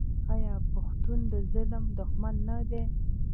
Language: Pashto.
آیا پښتون د ظالم دښمن نه دی؟